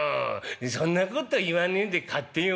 「そんなこと言わねえで買ってよ」。